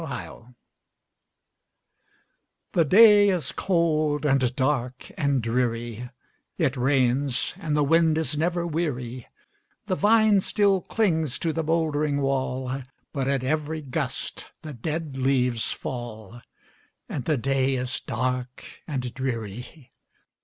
THE RAINY DAY The day is cold, and dark, and dreary; It rains, and the wind is never weary; The vine still clings to the mouldering wall, But at every gust the dead leaves fall, And the day is dark and dreary!